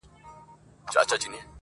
ه ژوند نه و، را تېر سومه له هر خواهیشه